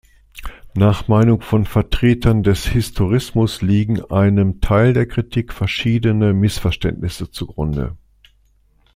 Nach Meinung von Vertretern des Historismus liegen einem Teil der Kritik verschiedene Missverständnisse zugrunde.